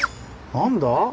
何だ？